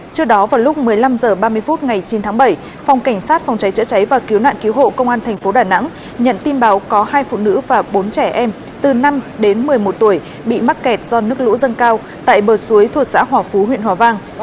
trước đó vào lúc một mươi năm h ba mươi phút ngày chín tháng bảy phòng cảnh sát phòng cháy chữa cháy và cứu nạn cứu hộ công an tp đà nẵng nhận tin báo có hai phụ nữ và bốn trẻ em từ năm đến một mươi một tuổi bị mắc kẹt do nước lũ dâng cao tại bờ suối thuộc xã hòa phú huyện hòa vang